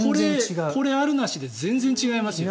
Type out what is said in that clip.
これがある、なしで全然違いますよ。